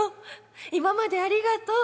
今までありがとう！